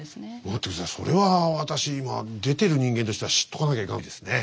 待って下さいそれは私今出てる人間としては知っとかなきゃいかんですね。